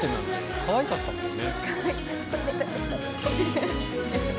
かわいかったもんね。